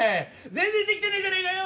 全然できてねえじゃねえかよ！